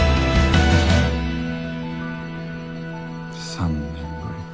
３年ぶりか。